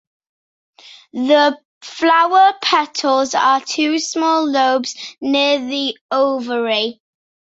The flower petals are two small lobes near the ovary.